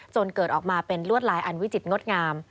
จนเกิดออกมาเป็นลวดลายอันวิจิตรงดงาม